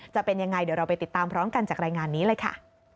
จะเป็นยังไงเดี๋ยวเราไปติดตามพร้อมกันจากรายงานนี้เลยค่ะ